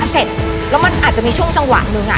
เสร็จแล้วมันอาจจะมีช่วงจังหวะหนึ่ง